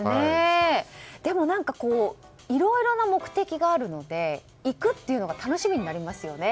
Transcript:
でも、いろいろな目的があるので行くっていうのが楽しみになりますよね。